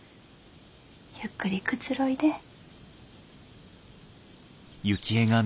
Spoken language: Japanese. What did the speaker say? ゆっくりくつろいで。